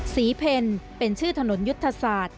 เพลเป็นชื่อถนนยุทธศาสตร์